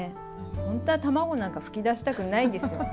本当は卵なんか噴き出したくないですよ。